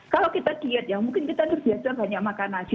kalau kita diet ya mungkin kita terbiasa banyak makan nasi